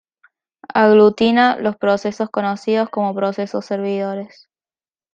Aglutina los procesos conocidos como procesos servidores.